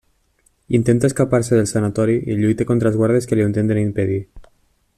Intenta escapar-se del sanatori i lluita contra els guardes que li ho intenten impedir.